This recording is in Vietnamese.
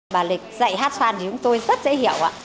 bà lịch dạy hát xoan thì chúng tôi rất dễ hiểu ạ